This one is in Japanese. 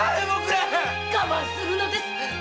我慢するのです。